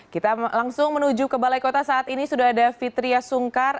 kita langsung menuju ke balai kota saat ini sudah ada fitriah sungkar